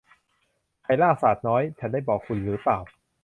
ไข้รากสาดน้อย ฉันได้บอกคุณหรือเปล่า